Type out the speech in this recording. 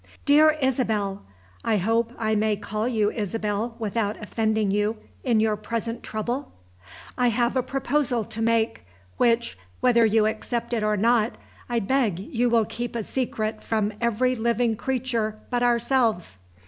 "DEAR ISABEL (I hope I may call you 'Isabel' without offending you, in your present trouble?) I have a proposal to make, which, whether you accept it or not, I beg you will keep a secret from every living creature but ourselves.